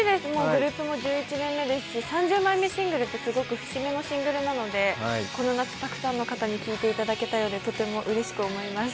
グループも１１年目ですし３０枚目シングルって、すごく節目のシングルなのでこの夏、たくさんの方に聴いていただけたようでとてもうれしく思います。